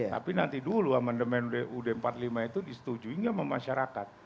tapi nanti dulu amandemen ud empat puluh lima itu disetujuinya sama masyarakat